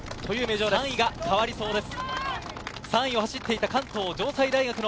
３位が変わりそうです。